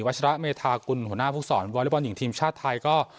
วัชระเมธาคุณหัวหน้าภูกษรวอร์เรียบร้อนหญิงทีมชาติไทยก็